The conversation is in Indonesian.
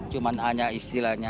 cuman hanya istilahnya